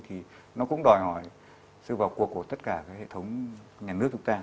thì nó cũng đòi hỏi sự vào cuộc của tất cả các hệ thống nhà nước chúng ta